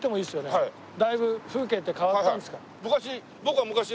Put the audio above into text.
だいぶ風景って変わったんですか？